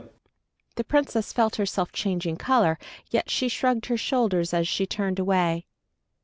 _"] The Princess felt herself changing color, yet she shrugged her shoulders as she turned away.